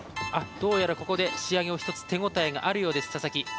どうやら、ここで仕上げを１つ手応えがあるようです、佐々木。